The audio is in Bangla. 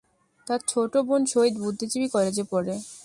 তার ছোট বোন শহীদ বুদ্ধিজীবী কলেজে পড়ে।